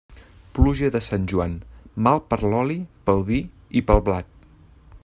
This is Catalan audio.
Pluja de Sant Joan, mal per l'oli, pel vi i pel blat.